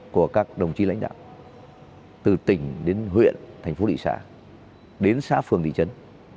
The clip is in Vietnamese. của các đồng chí lãnh đạo từ tỉnh đến huyện thành phố thị xã đến xã phường thị trấn